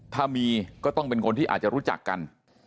ถ้ามีก็ต้องเป็นคนที่อาจจะรู้จักกัน